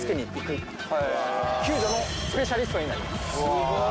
すごい。